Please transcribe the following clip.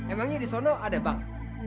emangnya disana ada bank